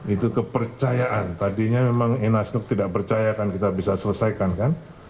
itu kepercayaan tadinya memang enas nuk tidak percaya kita bisa selesaikan kan